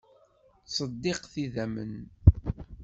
Ttṣeddiqet idammen.